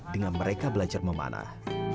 dengan mereka belajar memanah